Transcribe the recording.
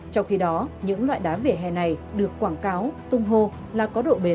trong khi đó những loại đá vỉa hè này được quảng cáo tung hô là có độ bền